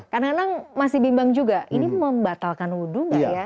kadang kadang masih bimbang juga ini membatalkan wudhu nggak ya